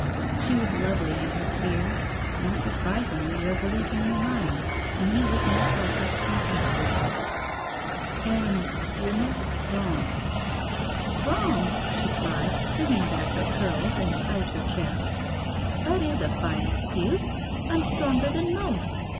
She was lovely in her tears and surprisingly reso lute in her mind, and he was more helpless than ever with her. "Ann — ^you're not strong." 208 GUILTY "Strong!" she cried, flinging back her curls and out her chest. That is a fine excuse. I'm stronger than most.